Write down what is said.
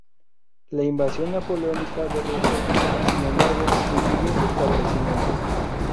La invasión napoleónica de Rusia, sin embargo, impidió su establecimiento.